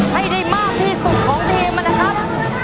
ให้ได้มากที่สุดของทีมนะครับ